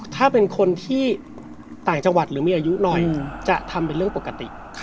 ถ้าเป็นคนที่ต่างจังหวัดหรือมีอายุหน่อยจะทำเป็นเรื่องปกติ